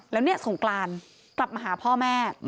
แล้วเนี่ยสงกรานกลับมาหาพ่อแม่